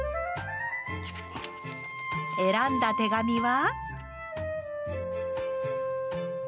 選んだ手紙は。